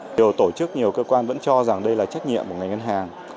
nhiều tổ chức nhiều cơ quan vẫn cho rằng đây là trách nhiệm của ngành ngân hàng